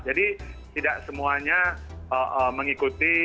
jadi tidak semuanya mengikuti